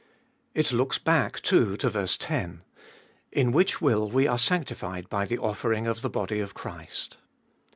It looks back, too, to ver. 10 : In which will we are sanctified by the offering of the body of Christ.